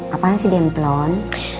apaan sih bemplon